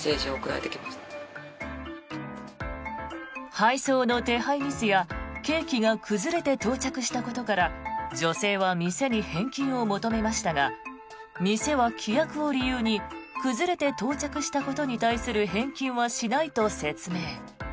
配送の手配ミスやケーキが崩れて到着したことから女性は店に返金を求めましたが店は規約を理由に崩れて到着したことに対する返金はしないと説明。